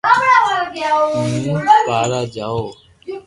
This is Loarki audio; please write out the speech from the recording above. ھون ڀارآ جاُو